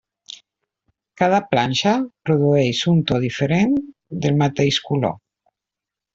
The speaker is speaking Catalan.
Cada planxa produeix un to diferent del mateix color.